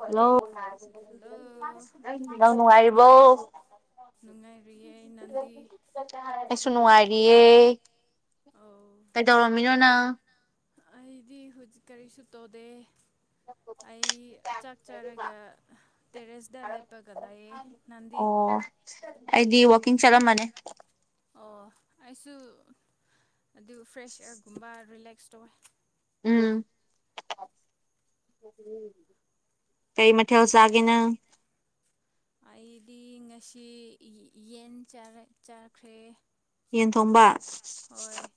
hello hello ꯌꯥꯝ ꯅꯨꯡꯉꯥꯏꯔꯤꯕꯣ ꯅꯨꯡꯉꯥꯏꯔꯨꯌꯦꯩ ꯅꯟꯗꯤ ꯀꯩꯁꯨ ꯅꯨꯡꯉꯥꯏꯔꯤꯌꯦ ꯑꯧ ꯀꯩꯗꯧꯔꯝꯃꯤꯅꯣꯅ ꯑꯩꯗꯤ ꯍꯧꯖꯤꯛ ꯀꯔꯤꯁꯨ ꯇꯧꯗꯦ ꯑꯩ ꯆꯥꯛ ꯆꯔꯒ ꯇꯦꯔꯁꯗ ꯂꯦꯄꯒꯂꯑ ꯅꯗꯤ ꯑꯣ ꯑꯩꯗꯤ ꯋꯥ ꯑꯣ ꯑꯩꯁꯨ ꯑꯗꯨ ꯐ꯭ꯔꯦꯁ ꯑꯦꯌꯥꯔꯒꯨꯝꯕ ꯔꯤꯂꯦꯛꯁ ꯇꯧꯋꯦ ꯎꯝ ꯀꯩ ꯃ ꯊꯎꯁꯒꯦꯅ ꯑꯩꯗꯤ ꯉꯁꯤ ꯌꯦꯟ ꯆꯥꯈ꯭ꯔꯦ ꯌꯦꯟ ꯊꯣꯝꯕ ꯍꯣꯏ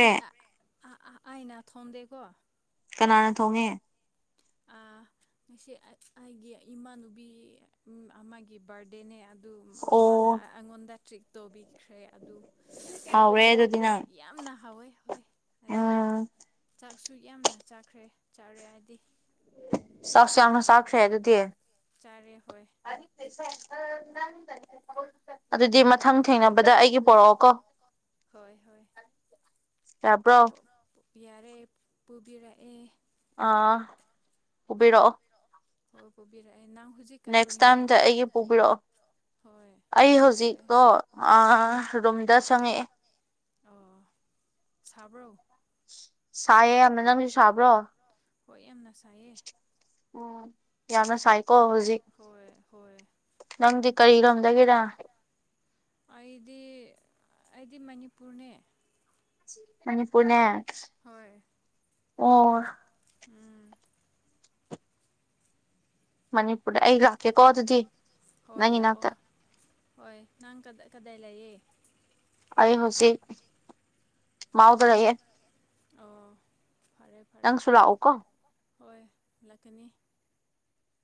ꯑꯩꯗꯤ ꯑꯩꯅ ꯊꯣꯝꯗꯦꯀꯣ ꯀꯅꯥꯅ ꯊꯣꯡꯉꯦ ꯉꯁꯤ ꯑꯩꯒꯤ ꯏꯃꯥꯅꯨꯕꯤ ꯑꯃꯒꯤ ꯕꯥꯔꯗꯦꯅꯦ ꯑꯗꯨ ꯃꯥꯅ ꯑꯣ ꯑꯩꯉꯣꯟꯗ ꯇ꯭ꯔꯤꯠ ꯇꯧꯕꯤꯈ꯭ꯔꯦ ꯑꯗꯨ ꯍꯥꯎꯔꯦ ꯑꯩ ꯑꯗꯨꯗꯤ ꯅꯪ ꯌꯥꯝꯅ ꯍꯥꯎꯋꯦ ꯍꯋꯦ ꯑꯗꯨ ꯎꯝ ꯆꯥꯛ ꯑꯁꯨꯛ ꯌꯥꯝꯅ ꯆꯥꯈ꯭ꯔꯦ ꯆꯥꯔꯦ ꯍꯥꯏꯗꯤ ꯆꯥꯛꯁꯨ ꯌꯥꯝꯅ ꯆꯥꯛꯈ꯭ꯔꯦ ꯑꯗꯨꯗꯤ ꯆꯥꯔꯦ ꯍꯣꯏ ꯁꯨ ꯑꯗꯥ ꯑꯗꯨꯗꯤ ꯃꯊꯪ ꯊꯦꯡꯅꯕꯗ ꯑꯩꯒꯤ ꯄꯣꯔꯛꯑꯣꯀꯣ ꯄꯔꯛꯑꯣ ꯀꯣ ꯍꯣꯏ ꯍꯣꯏ ꯌꯥꯕ꯭ꯔꯣ ꯌꯥꯔꯦ ꯄꯨꯕꯤꯔꯛꯑꯦ ꯑꯥ ꯄꯨꯕꯤꯔꯛꯑꯣ ꯍꯣꯏ ꯄꯨꯕꯤꯔꯛꯑꯦ ꯅꯪ ꯍꯧꯖꯤꯛ ꯅꯦꯛꯁ ꯀꯩꯗꯣꯔꯤꯅꯣ ꯇꯥꯏꯝꯗ ꯑꯩꯒꯤ ꯄꯨꯕꯤꯔꯛꯑꯣ ꯑꯩ ꯍꯧꯖꯤꯛꯇꯣ ꯎꯝ ꯑꯥ ꯔꯨꯝꯗ ꯆꯪꯉꯛꯑꯦ ꯑꯣ ꯁꯥꯕ꯭ꯔꯣ ꯁꯥꯏꯌꯦ ꯌꯥꯝꯅ ꯅꯪꯁꯨ ꯁꯥꯕ꯭ꯔꯣ ꯍꯣꯏ ꯌꯥꯝꯅ ꯁꯥꯏꯌꯦ ꯎꯝ ꯌꯥꯝꯅ ꯁꯥꯏꯀꯣ ꯍꯧꯖꯤꯛ ꯍꯣꯏ ꯍꯣꯏ ꯅꯪꯗꯤ ꯀꯔꯤ ꯂꯝꯗꯒꯤꯔꯥ ꯑꯩꯗꯤ ꯑꯩꯗꯤ ꯃꯅꯤꯄꯨꯔꯅꯦ ꯃꯅꯤꯄꯨꯔꯅ‌ꯦ ꯍꯣꯏ ꯎꯝ ꯃꯅꯤꯄꯨꯔꯗ ꯑꯩ ꯂꯥꯛꯀꯦꯀꯣ ꯑꯗꯨꯗꯤ ꯍꯣꯏ ꯅꯪꯒꯤ ꯅꯥꯛꯇ ꯂꯥꯛꯑꯣ ꯍꯣꯏ ꯅꯪ ꯀꯗꯥꯏ ꯀꯗꯥꯏ ꯂꯩꯌꯦ ꯑꯩ ꯍꯧꯖꯤꯛ ꯃꯥꯎꯗ ꯂ‌ꯩꯌ‌ꯦ ꯑꯣ ꯐꯔꯦ ꯐꯔꯦ ꯅꯪꯁꯨ ꯂꯥꯛꯎꯀꯣ ꯍꯣꯏ ꯂꯥꯛꯀꯅꯤ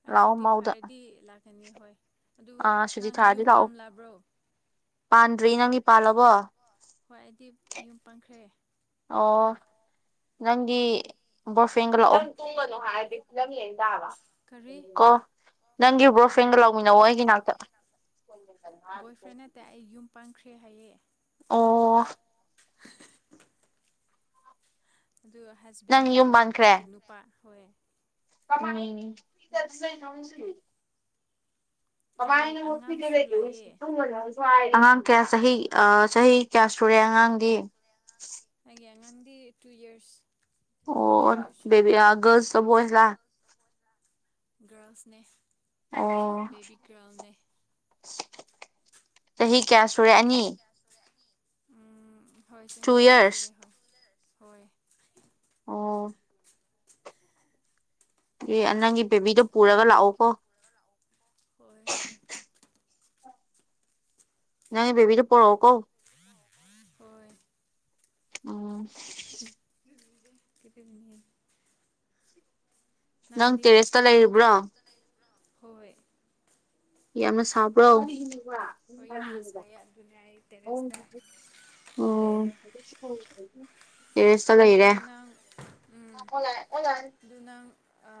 ꯑꯩ ꯂꯥꯛꯑꯣ ꯁꯨꯇꯤ ꯃꯥꯎꯗ ꯐꯥꯔꯗꯤ ꯂꯥꯛꯀꯅꯤ ꯍꯣꯏ ꯑꯗꯨ ꯑꯥ ꯁꯨꯇꯤ ꯅꯪ ꯊꯥꯔꯗꯤ ꯌꯨꯝ ꯂꯥꯛꯑꯣ ꯄꯥꯝꯂꯕ꯭ꯔꯣ ꯄꯥꯟꯗ꯭ꯔꯤ ꯅꯪꯗꯤ ꯄꯥꯜꯂꯕꯣ ꯍꯣꯏ ꯑꯩꯗꯤ ꯌꯨꯝ ꯄꯥꯟꯈ꯭ꯔꯦ ꯑꯣ ꯅꯪꯒꯤ ꯕꯣꯔꯐꯦꯡꯒ ꯂꯥꯛꯑꯣ ꯅꯪ ꯇꯨꯝꯒꯅꯨ ꯍꯥꯏꯔꯗꯤ ꯐꯤꯂꯝ ꯌꯦꯡ ꯇꯥꯕ ꯀꯔꯤ ꯀꯣ ꯅꯪꯒꯤ ꯀꯔꯤ ꯕ꯭ꯔꯣꯐꯦꯡꯒ ꯂꯥꯛꯃꯤꯟꯅꯧꯋꯣ ꯑꯩꯒꯤ ꯅꯥꯛꯇ [unintelligible] ꯇꯦ ꯑꯩ ꯌꯨꯝ ꯄꯥꯟꯈ꯭ꯔꯦ ꯍꯥꯏꯌꯦ ꯑꯣ ꯑꯗꯨ ꯍꯖꯕꯦꯟ ꯅꯪ ꯌꯨꯝ ꯅꯠꯇ꯭ꯔꯣ ꯄꯥꯟꯈ꯭ꯔꯦ ꯑꯩꯒꯤ ꯅꯨꯄꯥ ꯍꯣꯏ ꯎꯝ [unintelligible] [unintelligible] ꯑꯩ ꯑꯉꯥꯡꯁꯨ ꯂꯩꯌꯦ ꯑꯉꯥꯡ ꯀꯌꯥ ꯆꯍꯤ ꯑꯥ ꯆꯍꯤ ꯀꯌꯥ ꯁꯨꯔꯦ ꯑꯉꯥꯡꯗꯤ ꯑꯩꯒꯤ ꯑꯉꯥꯡꯗꯤ ꯇꯨ ꯏꯌꯔꯁ ꯑꯣ ꯕ‌ꯦꯕꯤꯌꯥ ꯒꯜꯁꯂ ꯕꫭꯏꯁ ꯂꯥ ꯒꯥ꯭ꯔꯜꯁꯅ‌ꯦ ꯑꯣ ꯆꯍꯤ ꯀꯌꯥ ꯁꯨꯔꯦ ꯑꯅꯤ ꯎꯝ ꯍꯣꯏ ꯆꯍꯤ ꯇꯨ ꯑꯅꯤ ꯁꯨꯔꯦ ꯌꯔꯁ ꯍꯣꯏ ꯍꯣꯏ ꯑꯣ ꯑꯦ ꯑ ꯅꯪꯒꯤ ꯕꯦꯕꯤꯗꯣ ꯄꯨꯔꯒ ꯂꯥꯛꯑꯣꯀꯣ ꯍꯣꯏ ꯍꯣꯏ ꯅꯪꯒꯤ ꯕ‌ꯦꯕꯤꯗꫭ ꯄꯣꯔꯛꯑꯣꯀꫭ ꯍꯣꯏ ꯎꯝ ꯀ‌ꯦꯄꯦꯝꯅꯤꯍꯦ ꯅꯪ ꯅꯪꯗꯤ ꯇꯦꯔꯦꯁꯇ ꯅꯪ ꯂꯩꯔꯤꯕ꯭ꯔꯣ ꯇꯦꯔꯦꯁꯇ ꯂꯩꯕ꯭ꯔꯣ ꯅꯪ ꯍꯣꯏ ꯌꯥꯝꯅ ꯁꯥꯕ꯭ꯔꯣ ꯍꯣꯏ ꯌꯥꯝꯅ ꯁꯥꯏꯌꯦ ꯑꯗꯨꯅꯦ ꯑꯩ ꯇꯦꯔꯦꯁꯗ ꯎꯝ ꯇꯦꯔ‌ꯦꯁꯇ ꯑꯗꯨ ꯂꯩꯔꯦ ꯅꯪ ꯎꯝ ꯑꯣꯂꯥꯛꯑꯦ ꯑꯣꯂꯥꯛꯑꯦ ꯑꯗꯨ ꯅꯪ ꯑ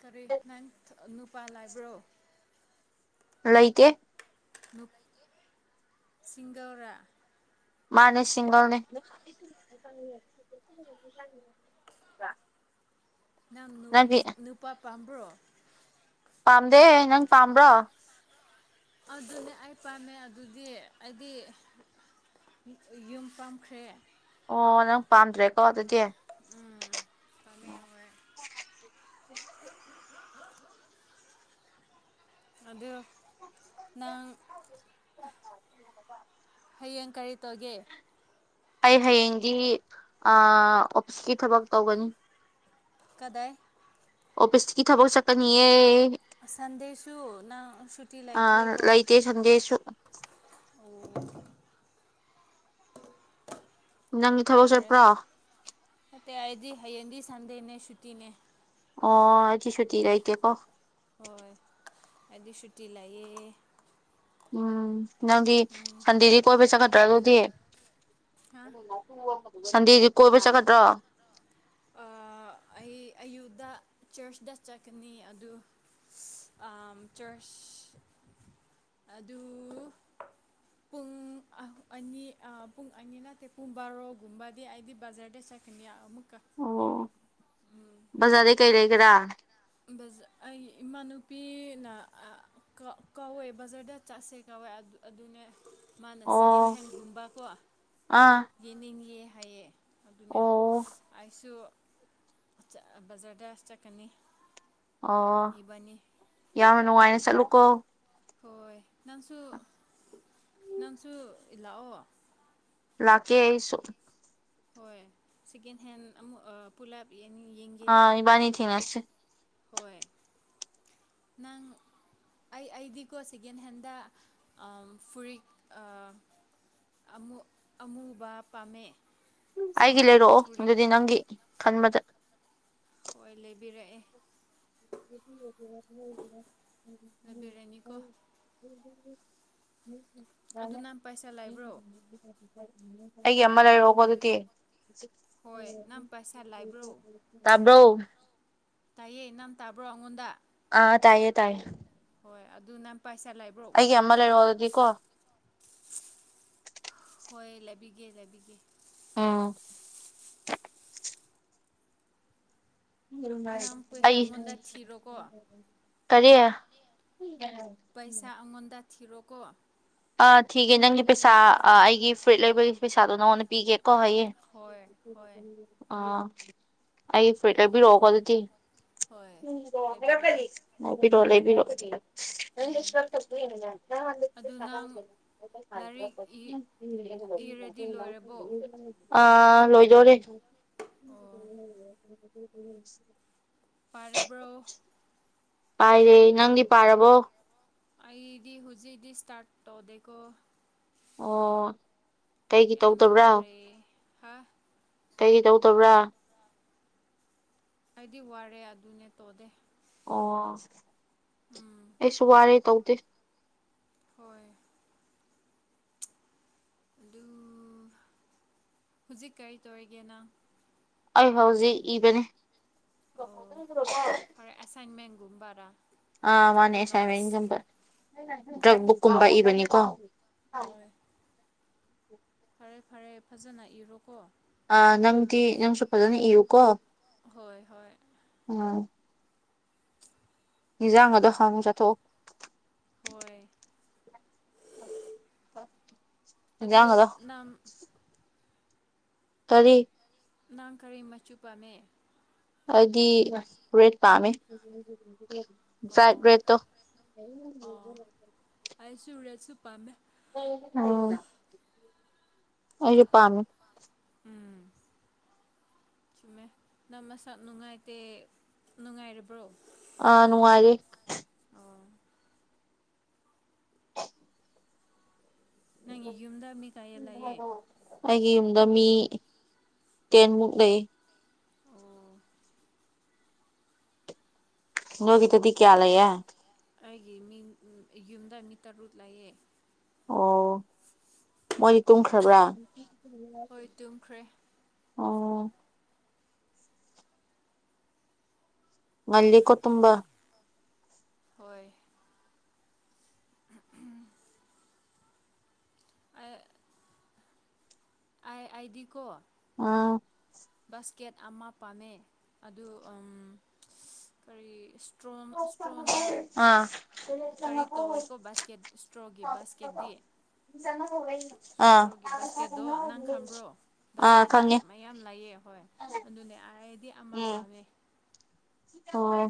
ꯀꯔꯤ ꯅꯪ ꯊ ꯅꯨꯄꯥ ꯂꯥꯏꯕ꯭ꯔꯣ ꯂꯩꯇꯦ ꯅꯨꯞ ꯁꯤꯡꯒꯜꯔꯥ ꯃꯥꯅꯦ ꯁꯤꯡꯒꯜꯅ‌ꯦ ꯅꯪ ꯅꯨꯞ ꯅꯨꯞ ꯅꯨꯄꯥ ꯄꯥꯝꯕ꯭ꯔꯣ ꯄꯥꯝꯗꯦ ꯅꯪ ꯄꯥꯝꯕ꯭ꯔꯣ ꯑꯗꯨꯅꯦ ꯑꯩ ꯄꯥꯝꯃꯦ ꯑꯗꯨꯗꯤ ꯑꯩꯗꯤ ꯑ ꯌꯨꯝ ꯄꯥꯝꯈ꯭ꯔꯦ ꯑꯣ ꯅꯪ ꯄꯥꯝꯗ꯭ꯔꯦꯀꯣ ꯑꯗꯨꯗꯤ ꯎꯝ ꯄꯥꯝꯃꯦ ꯍꯣꯏ [unintelligible] ꯑꯗꯨ ꯅꯪ [inaudible] ꯍꯌꯦꯡ ꯀꯔꯤ ꯇꯧꯒꯦ ꯑꯩ ꯍꯌꯦꯡꯗꯤ ꯑꯣꯐꯤꯁꯀꯤ ꯊꯕꯛ ꯇꯧꯒꯅꯤ ꯀꯗꯥꯏ ꯑꯣꯐꯤꯁꯇ ꯀ ꯊꯕꯛ ꯆꯀꯅꯤꯌꯦ ꯁꯟꯗꯦꯁꯨ ꯅꯪ ꯁꯨꯇꯤ ꯂꯩꯇ꯭ꯔꯦꯕꯣ ꯆꯟꯗꯦꯁ ꯑ ꯅꯪ ꯐꯔꯦ ꯐꯠꯇꯦ ꯑꯩꯗꯤ ꯍꯌꯦꯡꯗꯤ ꯁꯟꯗꯦꯅꯦ ꯁꯨꯇꯤꯅꯦ ꯑꯣ ꯑꯗꯨꯗꯤ ꯁꯨꯇꯤ ꯀꯩꯀꯦꯀꯣ ꯍꯣꯏ ꯍꯥꯏꯗꯤ ꯁꯨꯇꯤ ꯂꯥꯛꯑꯦ ꯎꯝ ꯅꯪꯗꯤ ꯁꯟꯗꯤꯗꯤ ꯀꯣꯏꯕꯩ ꯆꯠꯈꯠꯇ꯭ꯔ ꯑꯗꯨꯗꯤ ꯍꯥ ꯁꯥꯟꯗꯤ ꯀꯣꯣꯏ ꯄꯩꯁ ꯈꯇ꯭ꯔ ꯑ ꯑꯩ ꯑꯌꯨꯗ ꯆꯔꯆꯇ ꯆꯠꯀꯅꯤ ꯑꯗꯨ ꯆꯔꯆ ꯑꯗꯨ ꯄꯨꯡ ꯑꯅꯤ ꯄꯨꯡ ꯑꯅꯤ ꯅꯠꯇꯦ ꯄꯨꯡ ꯕꯥꯔꯣꯒꯨꯝꯕꯗꯤ ꯑꯩꯗꯤ ꯕꯖꯥꯔꯗꯩ ꯀꯅꯤꯌꯥ ꯑꯃꯃꯛ ꯀꯥ ꯑꯣ ꯕꯖꯥꯔꯗꯩ ꯀꯩ ꯂꯩꯒꯦꯔꯥ ꯑꯩ ꯏꯃꯥꯅꯨꯄꯤꯅ ꯀꯧꯋꯦ ꯕꯖꯔꯗ ꯆꯠꯁꯦ ꯀꯥꯎꯋꯦ ꯑꯗꯨꯅꯦ ꯃꯥꯅ ꯁꯤꯒꯦꯝ ꯑꯣ ꯍꯦꯟꯒꯨꯝꯕꯀꯣ ꯑꯥ ꯌꯦꯡꯅꯤꯡꯑꯦ ꯍꯥꯏꯌꯦ ꯑꯗꯨꯅꯦ ꯑꯣ ꯑꯩꯁꯨ ꯕꯖꯥꯔꯗ ꯆꯠꯀꯅꯤ ꯑꯣ ꯏꯕꯥꯅꯤ ꯌꯥꯝꯅ ꯅꯨꯡꯉꯥꯏꯅ ꯆꯠꯂꯨꯀꯣ ꯍꯣꯏ ꯅꯪꯁꯨ ꯅꯪꯁꯨ ꯏꯜꯂꯥꯛꯑꯣ ꯂꯥꯛꯀꯦꯁꯨ ꯍꯣꯏ ꯁꯦꯀꯦꯟ ꯍꯦꯟ ꯑꯃꯨꯛ ꯄꯨꯂꯞ ꯌꯦꯅꯤ ꯌꯦꯡ ꯑꯥ ꯏꯕꯅꯤ ꯊꯤꯅꯁ ꯍꯣꯏ ꯅꯪ ꯑꯩ ꯑꯩꯗꯤꯀꯣ ꯁꯦꯀꯦꯟ ꯍꯦꯟꯗ ꯐꯨꯔꯤꯠ ꯑꯃꯨ ꯑꯃꯨꯕ ꯄꯥꯝꯃꯦ ꯑꯩꯒꯤ ꯁꯝꯃꯔꯒꯤ ꯂꯩꯔꯛꯑꯣ ꯑꯗꯨꯗꯤ ꯐꯨꯔꯤꯠꯀꯣ ꯅꯪꯒꯤ ꯈꯟꯕꯗ ꯍꯣꯏ ꯂꯩꯕꯤꯔꯛꯑꯦ ꯔ ꯑ ꯕꯤꯔꯌꯥꯅꯤ ꯀꯧꯕ ꯎ ꯎꯝ ꯑꯗꯨ ꯅꯍꯥꯟ ꯄꯩꯁꯥ ꯂꯥꯏꯕ꯭ꯔꯣ ꯑꯩꯒꯤ ꯑꯃ ꯂꯩꯔꯛꯑꯣꯀꯣ ꯑꯗꯨꯗꯤ ꯍꯣꯏ ꯅꯪ ꯄꯩꯁꯥ ꯂꯥꯏꯕ꯭ꯔꯣ ꯇꯥꯕ꯭ꯔꯣ ꯇꯥꯏꯌꯦ ꯅꯪ ꯇꯥꯕ꯭ꯔꯣ ꯑꯩꯉꯣꯟꯗ ꯑꯥ ꯇꯥꯏꯌꯦ ꯇꯥꯏꯌꯦ ꯍꯣꯏ ꯑꯗꯨ ꯅꯪꯥꯟ ꯄꯩꯁꯥ ꯂꯩꯕ꯭ꯔꯣ ꯑ ꯑꯃꯜꯦ ꯍꯗꯗꯤꯀꯣ ꯍꯣꯏ ꯂꯩꯕꯤꯒꯦ ꯂꯩꯕꯤꯒꯦ ꯎꯝ ꯅꯪ ꯄꯩꯁꯥ ꯑꯩꯉꯣꯟꯗ ꯊꯤꯔꯣꯀꯣ ꯀꯔꯤꯦ ꯍꯥꯏ ꯄꯩꯁꯥ ꯑꯉꯣꯟꯗ ꯊꯤꯔꯣꯀꯣ ꯑꯥ ꯊꯤꯒꯦ ꯅꯪꯒꯤ ꯄꯩꯁꯥ ꯑꯩꯒꯤ ꯐ꯭ꯔꯨꯏꯠ ꯂꯩꯕꯒꯤ ꯄꯩꯁꯥꯗꯣ ꯅꯉꯣꯟꯗ ꯄꯤꯒꯦ ꯀ ꯍꯣꯏ ꯍꯣꯏ ꯑ ꯑꯩ ꯐꯤꯇꯔꯕꯤ ꯔꯣꯀ ꯑꯗꯨꯗꯤ ꯍꯣꯏ ꯂꯩꯕꯤꯔꯛꯑꯦ ꯅꯕꯤꯔꯣ ꯂꯩꯕꯤꯔꯣ ꯁꯨꯅꯥꯡ ꯂꯥꯏꯔꯤꯛ ꯏ ꯏꯔꯗꯤ ꯂꯣꯏꯔꯕꯣ ꯑꯥ ꯂꯣꯏꯖꯣꯔꯦ ꯑꯣ ꯄꯔꯔꯕ꯭ꯔ ꯄꯥꯏꯔꯦ ꯅꯪꯗꯤ ꯄꯥꯔꯕꯣ ꯑꯗꯤ ꯍꯧꯖꯤꯛꯗꯤ ꯏꯁꯇꯥꯔꯠ ꯇꯧꯗꯀ ꯑꯣ ꯀꯩꯒꯤ ꯇꯧꯗꯕ꯭ꯔꯥ ꯑ ꯍꯥꯥ ꯀꯩ ꯇꯧꯗꯕ꯭ꯔꯥ ꯍꯥꯏꯗꯤ ꯋꯥꯔꯦ ꯑꯗꯨꯅꯦ ꯇꯣꯗꯦ ꯑꯣ ꯎꯝ ꯑꯩꯁꯨ ꯋꯥꯔꯦ ꯇꯧꯗꯦ ꯍꯣꯏ ꯑꯗꯨ ꯍꯧꯖꯤꯛ ꯀꯔꯤ ꯇꯧꯔꯤꯒꯦꯅ ꯑꯩꯐꯥꯎꯖꯤ ꯏꯕꯅꯤ ꯍꯔ ꯑꯦꯁꯥꯏꯟꯃꯦꯟꯒꯨꯝꯕꯔꯥ ꯑꯥ ꯃꯥꯅꯦ ꯅꯠꯇ꯭ꯔꯗꯤ ꯅꯣꯠꯁ ꯑꯦꯁꯥꯏꯟꯃꯦꯟꯒꯨꯝꯕ ꯗ꯭ꯔꯛ ꯕꯨꯛꯀꯨꯝꯕ ꯏꯕꯅꯤꯀꯣ ꯍꯣꯏ ꯐꯔꯦ ꯐꯔꯦ ꯐꯖꯅ ꯏꯔꯣꯀꯣ ꯑ ꯅꯪꯗꯤ ꯅꯪꯁꯨ ꯐꯖꯅ ꯏꯌꯨꯀꯣ ꯍꯣꯏ ꯍꯣꯏ ꯎꯝ ꯖꯥ ꯍꯣꯏ ꯑ ꯑꯗꯨ ꯅꯝ ꯇꯔꯤ ꯅꯪ ꯀꯔꯤ ꯃꯆꯨ ꯄꯥꯝꯃꯦ ꯍꯥꯏꯗꯤ ꯔꯦꯠ ꯄꯥꯝꯃꯦ ꯑꯣ ꯥꯏꯠ ꯔꯦꯠꯇꯣ ꯑꯣ ꯑꯩꯁꯨ ꯔꯦꯠꯁꯨ ꯄꯥꯝꯃꯦ ꯑ ꯑꯩꯁꯨ ꯄꯥꯝ ꯎꯝ ꯁꯤꯃꯦ ꯅꯪ ꯃꯁꯛ ꯅꯨꯡꯉꯥꯏꯇꯦ ꯅꯨꯡꯉꯥꯏꯔꯕ꯭ꯔꯣ ꯑꯥꯅꯅꯨꯡꯉꯥꯏꯔꯦ ꯅꯪꯒꯤ ꯌꯨꯝꯗ ꯃꯤ ꯀꯥꯏꯌꯦ ꯂꯥꯛꯑꯦ ꯑꯩꯒꯤ ꯌꯨꯝꯗ ꯃꯤ ꯇꯦꯟꯃꯨꯛ ꯂꯩ ꯑꯣ ꯅꯒꯤ ꯇꯗꯤ ꯀꯌꯥꯂꯌꯦ ꯑꯩꯒꯤ ꯃꯤ ꯌꯨꯝꯗ ꯃꯤ ꯇꯔꯨꯛ ꯂꯩꯌꯦ ꯑꯣ ꯃꯣꯏꯗꯤ ꯍꯣꯏ ꯇꯨꯝꯈ꯭ꯔꯕ꯭ꯔꯥ ꯍꯣꯏ ꯇꯨꯝꯈ꯭ꯔꯦ ꯑꯣ ꯉꯜꯂꯤ ꯈꯨꯇꯨꯝꯕ ꯍꯣꯏ ꯑ ꯑꯥꯏ ꯑꯥꯏ ꯗꯤ ꯀꯣ ꯑꯥ ꯕꯥꯁꯀꯦꯠ ꯑꯃ ꯄꯥꯝꯃꯦ ꯑꯗꯨ ꯀꯔꯤ ꯏꯁꯇ꯭ꯔꯣ ꯏꯁꯇ꯭ꯔꯣꯅ ꯑꯥ ꯀꯔꯤ ꯇꯧꯋꯦꯀꯣ ꯕꯥꯁꯀꯦꯠ ꯏꯁꯇ꯭ꯔꯣꯒꯤ ꯕꯥꯁꯀꯦꯠꯗꯤꯤ ꯑꯥ ꯏꯁꯇ꯭ꯔꯣꯒꯤ ꯕꯥꯁꯀꯦꯠꯇꯠꯇꯣ ꯅꯪ ꯈꯝꯕ꯭ꯔꯣ ꯑꯥ ꯕꯖꯥꯔꯗꯥ ꯈꯪꯉꯦ ꯃꯌꯥꯝ ꯂꯩꯑꯌꯦ ꯍ ꯍꯣꯏ ꯑꯗꯨꯅꯦ ꯑꯩꯗꯤ ꯑꯃ ꯄꯥꯝꯃꯦ ꯍ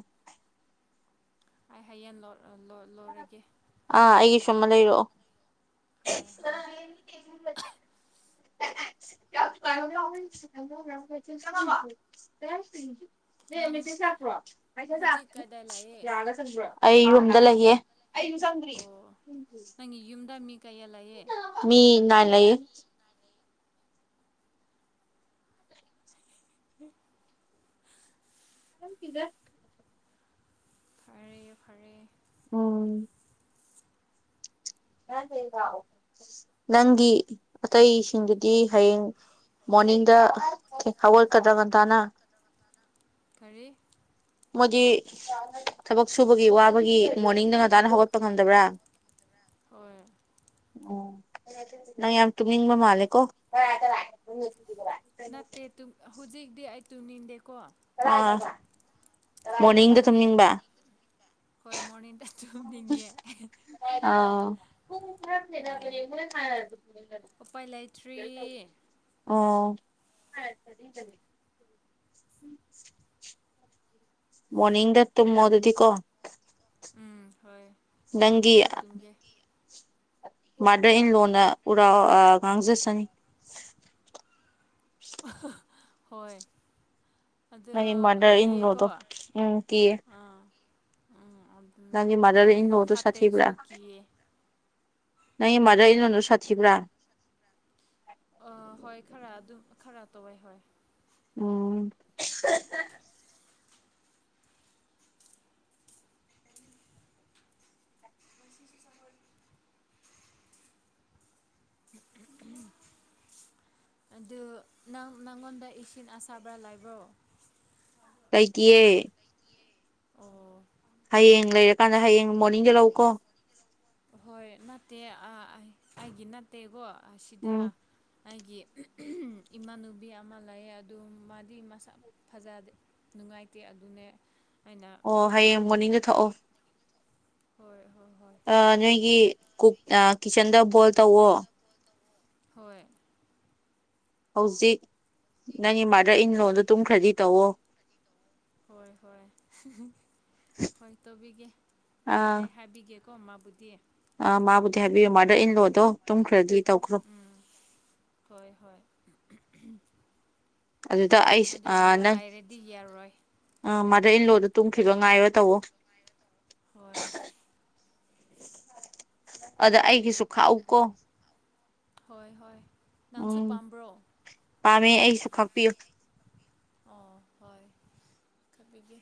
ꯑꯩ ꯍꯌꯦꯡ ꯂꯣꯏꯔꯒꯦ ꯑꯥ ꯑꯩꯒꯤ ꯁꯨꯝꯃ ꯂꯩꯔꯛꯑꯣ ꯍꯣꯏ ꯍꯣꯏ [inaudible] ꯅꯪ ꯆꯄ꯭ꯔ ꯍꯧꯖꯤꯛ ꯀꯗꯥꯏ ꯂꯩꯌꯦ ꯑꯩ ꯌꯨꯝꯗ ꯂꯩꯌꯦꯦ ꯑꯩ ꯆꯗ꯭ꯔꯤ ꯑꯣ ꯅꯪꯒꯤ ꯌꯨꯝꯗ ꯃꯤ ꯀꯩꯌꯥ ꯂꯩꯑꯌꯦꯦ ꯃꯤ ꯅꯥꯏ ꯂꯩꯌꯦ ꯍ ꯝ ꯀꯗ ꯐꯔꯦ ꯐꯔꯦ ꯎꯝ ꯅꯪꯒꯤ ꯑꯇꯩꯁꯤꯡꯗꯨꯗꯤ ꯍꯌꯦꯡ ꯃꯣꯔꯅꯤꯡꯗ ꯍꯧꯒꯠꯀꯗ꯭ꯔꯥ ꯀꯟꯇꯥꯅ ꯈꯔꯤ ꯃꯣꯏꯗꯤ ꯊꯕꯛ ꯁꯨꯕꯒꯤ ꯋꯥꯕꯒꯤ ꯃꯣꯔꯅꯤꯡꯗ ꯉꯇꯥꯅ ꯍꯧꯒꯠꯄ ꯉꯝꯗꯕ꯭ꯔꯥ ꯍꯣꯏ ꯑꯣ ꯅ ꯌꯥꯝ ꯇꯨꯃꯤꯕ ꯃꯥꯂꯦꯀꯣ ꯅꯠꯇꯦ ꯍꯧꯖꯤꯛꯇꯤ ꯑꯩ ꯇꯨꯝꯅꯤꯡꯗꯦꯀꯣ ꯑꯥ ꯃꯣꯔꯅꯤꯡꯗ ꯑꯗꯨ ꯇꯨꯝꯅꯤꯡꯕ ꯍꯣꯏ ꯃꯣꯔꯅꯤꯡ ꯇ ꯆꯝꯅꯤꯡꯉꯌꯦ ꯑꯥ ꯍ ꯐꯔꯥꯁ ꯂꯩꯅ ꯈ ꯎꯄꯥꯏ ꯂꯩꯇ꯭ꯔꯤ ꯇ ꯄꯨ ꯑꯣ ꯎꯝ ꯃꯅꯤꯡꯗ ꯇꯃ ꯑꯗꯨꯗꯤ ꯀꯣ ꯎꯝ ꯍꯣꯏ ꯅꯪꯒꯤ ꯃꯣꯔꯅꯤꯡꯗ ꯇꯨꯡꯒꯦ ꯃꯥꯗꯔ ꯏꯟ ꯂꯣꯟꯅ ꯎꯔꯥꯎ ꯉꯥꯡꯖꯁꯅꯤ ꯁꯤ ꯍꯣꯏ ꯑꯗꯨ ꯅꯪꯒꯤ ꯃꯥꯗꯔ ꯏꯟ ꯀꯤꯀꯣ ꯂꯣꯗꯣ ꯎꯝ ꯀꯤꯌꯦ ꯑꯥ ꯎꯝ ꯑꯗꯨ ꯅꯪꯒꯤ ꯃꯥꯗꯔ ꯃꯗꯩ ꯏꯟ ꯂꯣ ꯂꯣꯗꯣ ꯐꯠꯇꯦꯁꯨ ꯁꯥꯊꯤꯕ꯭ꯔꯥ ꯀꯤꯌꯦ ꯅꯪꯃꯗ꯭ꯔ ꯏ ꯂꯣꯟꯅꯨ ꯁꯥꯊꯤꯕꯥ ꯑ ꯍꯣꯏ ꯈꯔ ꯑꯗꯨꯝ ꯈꯔ ꯇꯧꯋꯦ ꯍꯣꯏ ꯎꯝ ꯃꯁꯤꯁꯤꯁꯨ ꯁꯔ ꯎꯝ ꯑꯗꯨ ꯅꯪ ꯅꯪꯉꯣꯟꯗ ꯏꯁꯤꯡ ꯑꯁꯥꯕ꯭ꯔꯥ ꯂꯥꯏꯕ꯭ꯔꯣ ꯇꯥꯏꯀꯤꯦ ꯑꯣ ꯍꯌꯦꯡ ꯂꯩꯔꯀꯥꯟꯗ ꯁꯤ ꯍꯌꯦꯡ ꯃꯣꯔꯅꯤꯡꯗ ꯂꯎꯀꯣ ꯍꯣꯏ ꯅꯠꯇꯦ ꯑꯩꯒꯤ ꯅꯠꯇꯦꯀꯣ ꯑꯁꯤꯗ ꯎꯝ ꯑꯩꯒꯤ ꯏꯃꯥꯟꯅꯨꯕꯤ ꯑꯃ ꯂꯩ ꯑꯗꯨ ꯃꯥꯗꯤ ꯃꯁꯥ ꯐꯖꯗꯦ ꯅꯨꯡꯉꯥꯏꯇꯦ ꯑꯗꯨꯅꯦ ꯑꯩꯅ ꯑꯣ ꯃꯥ ꯍꯌꯦꯡ ꯃꯣꯔꯅꯤꯡꯗ ꯊꯣꯛꯑꯣ ꯍꯣꯏ ꯍꯣꯏ ꯍꯣꯏ ꯑꯥ ꯅꯣꯏꯒꯤ ꯀꯨꯛ ꯀꯤꯠꯆꯟꯗ ꯕꯣꯏꯜ ꯇꯧꯋꯣ ꯍꯣꯏ ꯍꯧꯖꯤꯛ ꯅꯪꯒꯤ ꯃꯥꯗꯔ ꯏꯟ ꯂꯣꯗꯣ ꯇꯨꯝꯈ꯭ꯔꯗꯤ ꯇꯧꯋꯣ ꯍꯣꯏ ꯍꯣꯏ ꯍꯣꯏ ꯇꯧꯕꯤꯒꯦ ꯑꯥ ꯑꯩ ꯍꯥꯏꯕꯤꯒꯦ ꯀꯣ ꯃꯥꯕꯨꯗꯤ ꯑꯥ ꯃꯥꯕꯨꯗꯤ ꯍꯥꯏꯕꯤꯌꯨ ꯃꯥꯗꯔ ꯏꯜꯂꯣꯗꯣ ꯇꯨꯝꯈ꯭ꯔꯗꯤ ꯇꯧꯈ꯭ꯔꯣ ꯎꯝ ꯍꯣꯏ ꯍꯣꯏ ꯑꯗꯨꯗ ꯑꯩꯁ ꯃꯥꯗꯔ ꯏꯟ ꯂꯣ ꯅꯪ ꯂꯩꯔꯗꯤ ꯌꯥꯔꯣꯏ ꯃꯥꯗꯔ ꯏꯟ ꯂꯣꯗꯨ ꯇꯨꯝꯈꯤꯕ ꯉꯥꯏꯔ ꯇꯧꯋꯣ ꯍꯣꯏ ꯑꯗ ꯑꯩꯒꯤꯁꯨ ꯈꯥꯛꯎ ꯀꯣ ꯍꯣꯏ ꯍꯣꯏ ꯅꯪꯁꯨ ꯎꯝ ꯄꯥꯝꯕ꯭ꯔꯣ ꯄꯥꯝꯃꯦ ꯑꯩꯁꯨ ꯈꯥꯛꯄꯤꯌꯨ ꯑꯣ ꯍꯣꯏ ꯈꯥꯛꯄꯤꯒꯦ